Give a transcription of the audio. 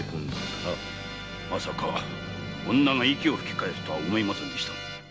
まさか女が息を吹き返すとは思いませんでした。